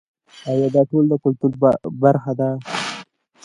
آیا دا ټول د کلتور برخه ده؟